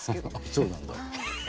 そうなんだ。